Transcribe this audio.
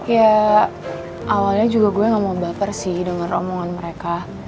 ya awalnya juga gue gak mau baper sih dengan omongan mereka